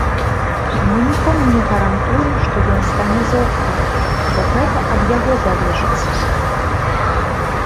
Мы нікому не гарантуем, што ён стане зоркай, бо гэта ад яго залежыць.